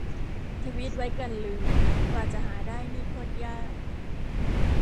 ทวีตไว้กันลืม กว่าจะหาได้นี่โคตรยาก